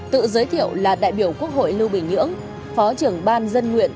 tự giới thiệu là đại biểu quốc hội lưu bình nhưỡng phó trưởng ban dân nguyện